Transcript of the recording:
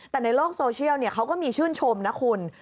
แต่ในโลกโซเชียลเขาก็มีชื่นชมนะคุณ